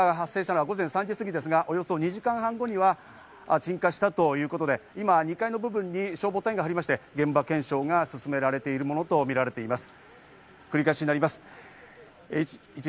火事が発生したのは午前３時過ぎですが、２時間半後には鎮火したということで、今２階の部分に消防隊が入って、現場検証が進められているものとみられます。